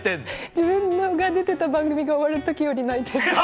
自分が出てた番組が終わる時より泣いてる。